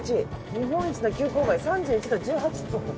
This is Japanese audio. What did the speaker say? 「日本一の急勾配３１度１８分」